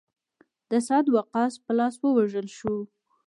د سعد وقاص په لاس ووژل شو.